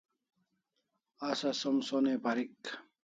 Asa som sonai parik